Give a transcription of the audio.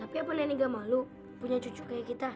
tapi apa nenek gak malu punya cucu kayak kita